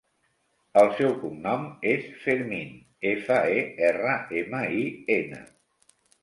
El seu cognom és Fermin: efa, e, erra, ema, i, ena.